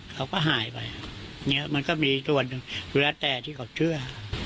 เขาก็หายไปมันก็มีส่วนหรือแล้วแต่ที่เขาเชื่อ